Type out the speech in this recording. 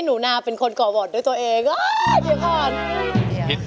ไม่ใช้